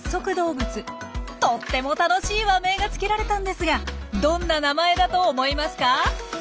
とっても楽しい和名がつけられたんですがどんな名前だと思いますか？